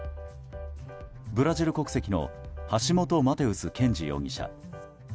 ブラジル国籍のハシモト・マテウス・ケンジ容疑者。